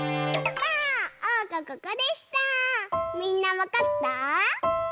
みんなわかった？